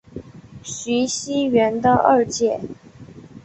徐熙媛的二姐。